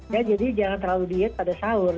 ya jadi jangan terlalu diet pada sahur